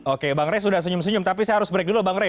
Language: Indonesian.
oke bang rey sudah senyum senyum tapi saya harus break dulu bang rey